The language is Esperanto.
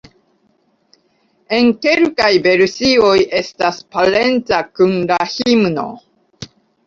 En kelkaj versioj estas parenca kun la himno.